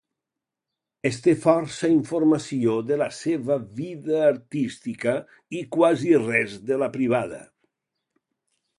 Es té força informació de la seva vida artística i quasi res de la privada.